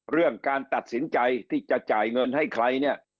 เรื่องการตัดสินใจที่จะจ่ายเงินให้ใครเนี่ย